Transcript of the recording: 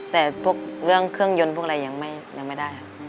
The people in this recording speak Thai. แต่พวกเรื่องเครื่องยนต์พวกอะไรยังไม่ได้